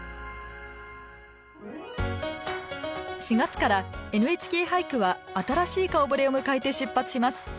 ４月から「ＮＨＫ俳句」は新しい顔ぶれを迎えて出発します。